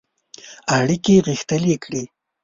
اړیکي غښتلي کړي.